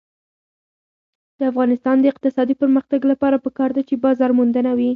د افغانستان د اقتصادي پرمختګ لپاره پکار ده چې بازارموندنه وي.